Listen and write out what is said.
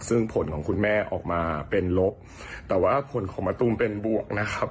ซึ่งผลของคุณแม่ออกมาเป็นลบแต่ว่าผลของมะตูมเป็นบวกนะครับ